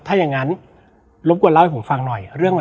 และวันนี้แขกรับเชิญที่จะมาเชิญที่เรา